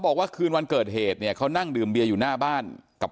บอกว่าคืนวันเกิดเหตุเนี่ยเขานั่งดื่มเบียอยู่หน้าบ้านกับ